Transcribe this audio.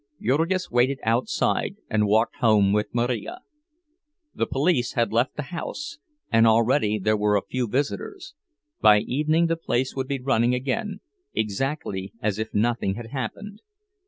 Jurgis waited outside and walked home with Marija. The police had left the house, and already there were a few visitors; by evening the place would be running again, exactly as if nothing had happened.